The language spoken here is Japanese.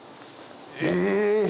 え！